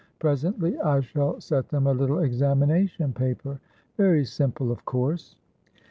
Presently, I shall set them a little examination papervery simple, of course."